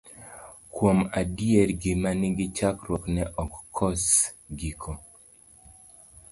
Kuom adier gima nigi chakruok ne ok kos giko.